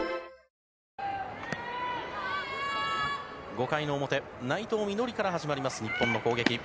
５回の表内藤実穂から始まる日本の攻撃。